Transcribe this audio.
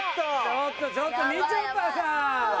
ちょっとちょっとみちょぱさん。